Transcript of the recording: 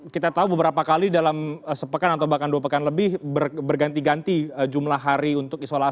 kita tahu beberapa kali dalam sepekan atau bahkan dua pekan lebih berganti ganti jumlah hari untuk isolasi